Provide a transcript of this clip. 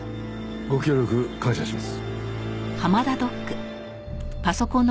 ご協力感謝します。